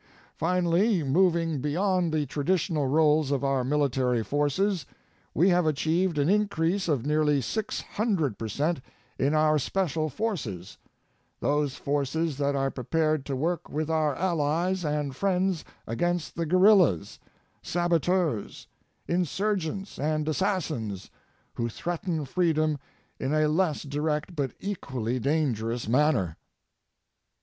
Finally, moving beyond the traditional roles of our military forces, we have achieved an increase of nearly 600 percent in our special forces ŌĆō those forces that are prepared to work with our allies and friends against the guerrillas, saboteurs, insurgents and assassins who threaten freedom in a less direct but equally dangerous manner.